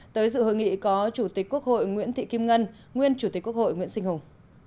tới dự hội nghị có chủ tịch quốc hội nguyễn thị kim ngân nguyên chủ tịch quốc hội nguyễn sinh hùng